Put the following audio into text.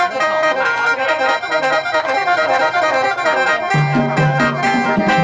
ไม่เห็น